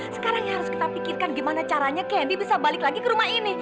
sekarang yang harus kita pikirkan gimana caranya kendi bisa balik lagi ke rumah ini